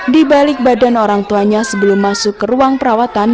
di balik badan orang tuanya sebelum masuk ke ruang perawatan